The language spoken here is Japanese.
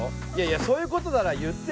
そういうことなら言ってよ。